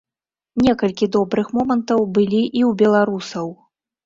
Некалькі добрых момантаў былі і ў беларусаў.